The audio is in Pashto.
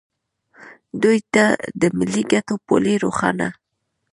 دوی ته د ملي ګټو پولې روښانه